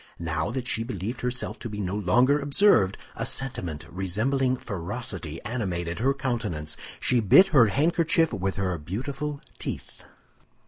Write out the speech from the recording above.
Now that she believed herself to be no longer observed, a sentiment resembling ferocity animated her countenance. She bit her handkerchief with her beautiful teeth.